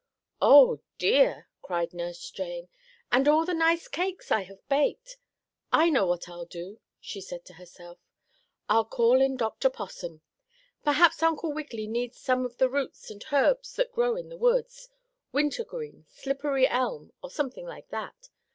"Oh, dear!" cried Nurse Jane. "And all the nice cakes I have baked. I know what I'll do," she said to herself. "I'll call in Dr. Possum. Perhaps Uncle Wiggily needs some of the roots and herbs that grow in the woods wintergreen, slippery elm or something like that.